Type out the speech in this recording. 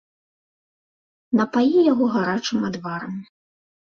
Напаі яго гарачым адварам.